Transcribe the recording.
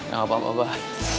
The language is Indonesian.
gak apa apa pak